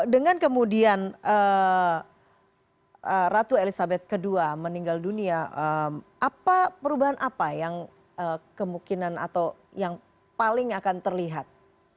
dengan kemudian ratu elizabeth ii meninggal dunia perubahan apa yang kemungkinan atau yang paling akan terlihat